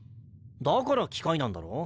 だから機械なんだろ？